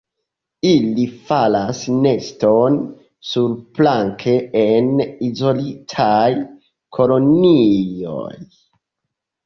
Ili faras neston surplanke en izolitaj kolonioj.